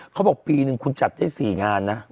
เขาบอกปีนึงคุณจัดได้๔งานนะ